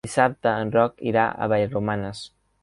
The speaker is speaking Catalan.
Dissabte en Roc irà a Vallromanes.